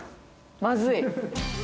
まずい。